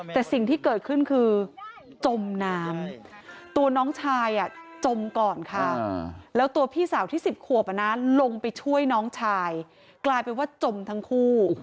แต่สิ่งที่เกิดขึ้นคือจมน้ำตัวน้องชายจมก่อนค่ะแล้วตัวพี่สาวที่๑๐ขวบลงไปช่วยน้องชายกลายเป็นว่าจมทั้งคู่